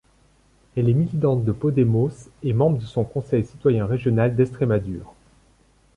Elle est militante de Podemos et membre de son conseil citoyen régional d'Estrémadure.